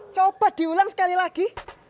coba diulang sekali lagi